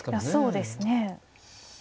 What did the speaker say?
そうですね。